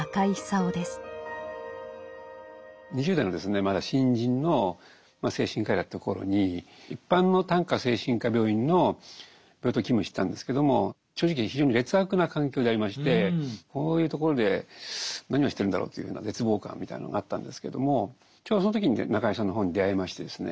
２０代のですねまだ新人の精神科医だった頃に一般の単科精神科病院の病棟勤務してたんですけども正直非常に劣悪な環境でありましてこういうところで何をしてるんだろうというふうな絶望感みたいなのがあったんですけどもちょうどその時に中井さんの本に出会いましてですね